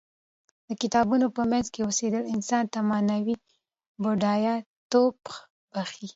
د کتابونو په منځ کې اوسیدل انسان ته معنوي بډایه توب بښي.